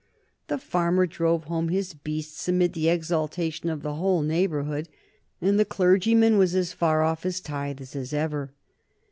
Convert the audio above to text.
The farmer drove home his beasts amid the exultation of the whole neighborhood, and the clergymen was as far off his tithes as ever.